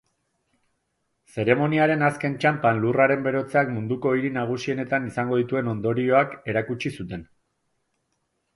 Zeremoniaren azken txanpan lurraren berotzeak munduko hiri nagusienetan izango dituen ondorioak erakutsi zuten.